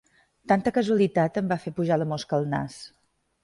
Tanta casualitat em va fer pujar la mosca al nas.